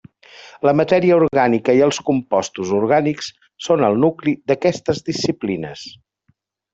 La matèria orgànica i els compostos orgànics són el nucli d'aquestes disciplines.